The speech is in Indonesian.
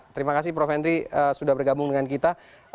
terima kasih prof henry sudah bergabung dengan kita